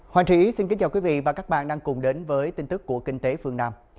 hoàng trí xin kính chào quý vị và các bạn đang cùng đến với tin tức của kinh tế phương nam